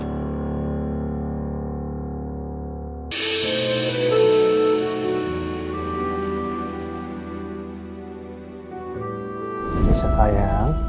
tolong tahan dulu semoga aja